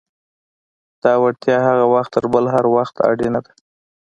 دا وړتیا هغه وخت تر هر بل وخت اړینه ده.